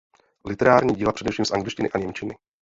Literární díla především z angličtiny a němčiny.